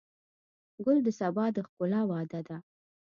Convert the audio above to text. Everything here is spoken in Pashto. ګل د سبا د ښکلا وعده ده.